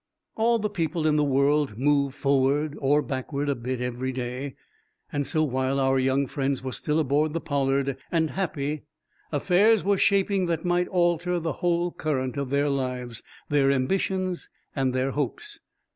All the people in the world move forward or backward a bit every day. And so, while, our young friends were still aboard the "Pollard," and happy, affairs were shaping that might alter the whole current of their lives, their ambitions and their hopes.